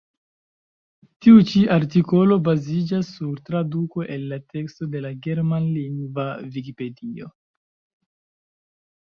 Tiu-ĉi artikolo baziĝas sur traduko el la teksto de la germanlingva vikipedio.